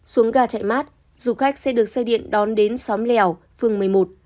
xuống gà chạy mát du khách sẽ được xe điện đón đến xóm lèo phường một mươi một